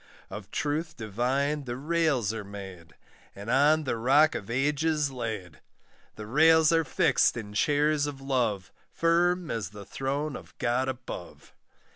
Of truth Divine the rails are made, And on the Rock of Ages laid; The rails are fixed in chairs of love, Firm as the throne of God above.